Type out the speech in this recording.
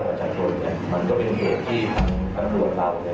ประชากนเป็นระปัตย์เจ็ดที่เขาไม่ถึงรู้ผิดอะไร